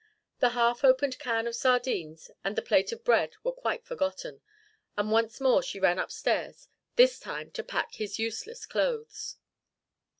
The half opened can of sardines and the plate of bread were quite forgotten, and once more she ran upstairs, this time to pack his useless clothes.